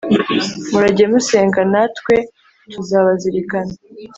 murajye musenga natwe tuzabazirikana.